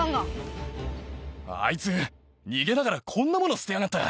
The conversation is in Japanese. あいつ、逃げながらこんなもの捨てやがった。